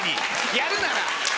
やるなら。